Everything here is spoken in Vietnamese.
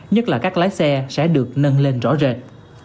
nhất là các lái xe sẽ được nâng lên rõ rệt